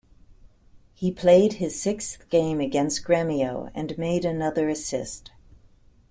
He played his sixth game against Gremio and made another assist.